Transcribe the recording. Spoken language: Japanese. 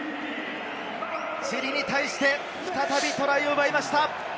チリに対して、再びトライを奪いました。